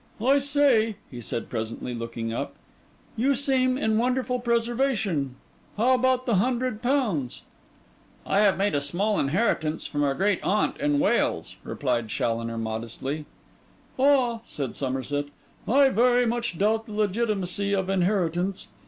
'I say,' he said presently, looking up, 'you seem in wonderful preservation: how about the hundred pounds?' 'I have made a small inheritance from a great aunt in Wales,' replied Challoner modestly. 'Ah,' said Somerset, 'I very much doubt the legitimacy of inheritance.